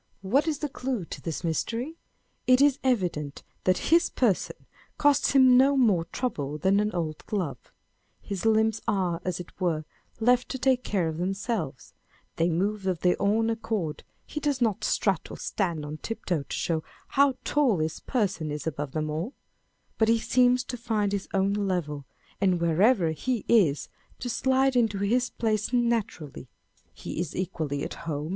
What is the clue to this mystery ? It is evident that his person costs him no more trouble than an old glove. His limbs are, as it were, left to take care of themselves ; they move of their own accord ; he does not strut or stand on tip toe to show how tall 0 His person is above them all ; but he seems to find his own level, and wherever he is, to slide into his place naturally ; he is equally at home 29G On the Looh of a Gentleman.